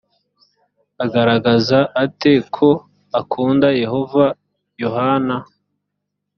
agaragaza ate ko akunda yehova yohana